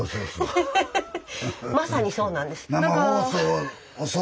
まさにそうなんです。